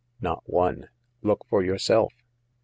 " Not one. Look for yourself."